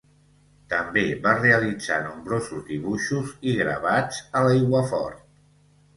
També va realitzar nombrosos dibuixos i gravats a l'aiguafort.